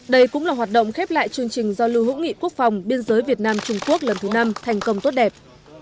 đây cũng là hoạt động khép lại chương trình giao lưu hữu nghị quốc phòng biên giới việt nam trung quốc lần thứ năm thành công tốt đẹp